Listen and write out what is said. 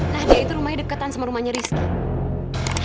nah dia itu rumahnya deketan sama rumahnya rizky